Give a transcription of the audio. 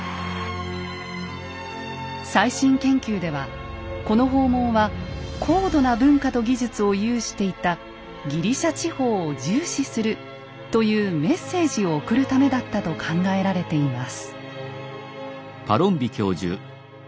最新研究ではこの訪問は高度な文化と技術を有していたギリシャ地方を重視するというメッセージを送るためだったと考えられています。